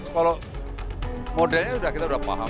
kalau modelnya kita sudah paham